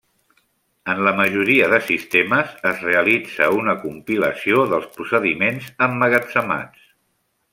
En la majoria de sistemes es realitza una compilació dels procediments emmagatzemats.